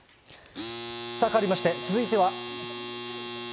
さあ、かわりまして、続いては。